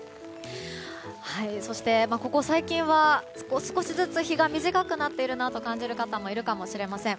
そして、ここ最近は少しずつ日が短くなっていると感じる方もいるかもしれません。